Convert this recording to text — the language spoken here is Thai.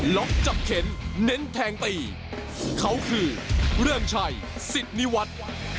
ล็อกจับเข็นเน้นแทงตีเขาคือเรื่องชัยสิทธินิวัฒน์